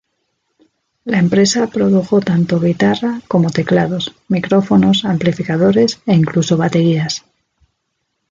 La empresa produjo tanto guitarra como teclados, micrófonos, amplificadores e incluso baterías.